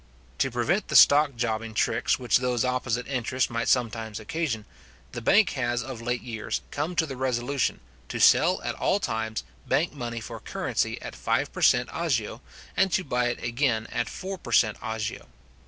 To prevent the stock jobbing tricks which those opposite interests might sometimes occasion, the bank has of late years come to the resolution, to sell at all times bank money for currency at five per cent. agio, and to buy it in again at four per cent. agio.